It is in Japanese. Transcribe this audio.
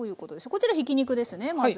こちらひき肉ですねまず。